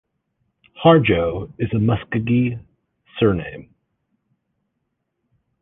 "Harjo" is a Muscogee surname.